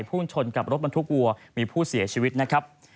พุ่งชนกับรถบรรทุกวัวมีผู้เสียชีวิตนะครับ